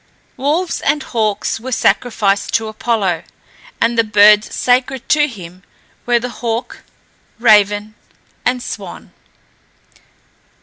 Wolves and hawks were sacrificed to Apollo, and the birds sacred to him were the hawk, raven, and swan.